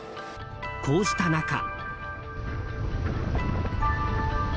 こうした中。